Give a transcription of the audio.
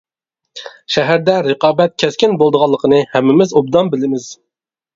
شەھەردە رىقابەت كەسكىن بولىدىغانلىقىنى ھەممىمىز ئوبدان بىلىمىز.